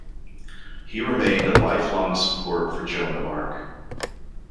He remained a lifelong support for Joan of Arc.